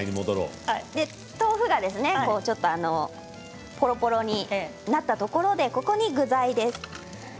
豆腐がぽろぽろになったところでここで具材です。